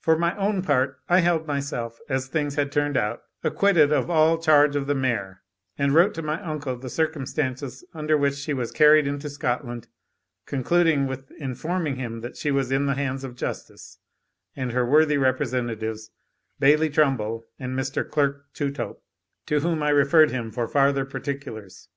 For my own part, I held myself, as things had turned out, acquitted of all charge of the mare, and wrote to my uncle the circumstances under which she was carried into Scotland, concluding with informing him that she was in the hands of justice, and her worthy representatives, Bailie Trumbull and Mr. Clerk Touthope, to whom I referred him for farther particulars.